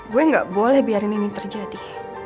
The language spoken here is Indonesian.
gue gak boleh biarin ini terjadi